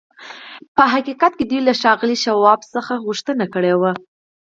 په حقیقت کې دوی له ښاغلي شواب څخه غوښتنه کړې وه